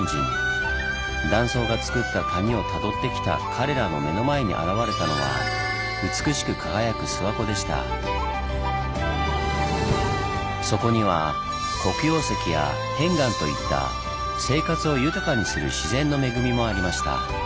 断層がつくった谷をたどってきた彼らの目の前に現れたのはそこには黒曜石や片岩といった生活を豊かにする自然の恵みもありました。